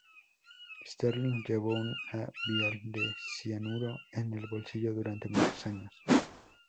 Sterling llevó un vial de cianuro en el bolsillo durante muchos años.